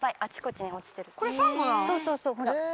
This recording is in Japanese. そうそうそうほら。